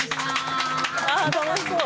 「楽しそう！